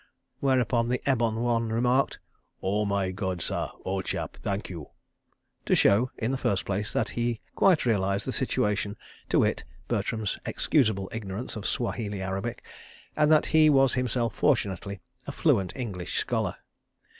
Whereupon the ebon one remarked: "Oh, my God, sah, ole chap, thank you," to show, in the first place, that he quite realised the situation (to wit, Bertram's excusable ignorance of Swahili Arabic), and that he was himself, fortunately, a fluent English scholar.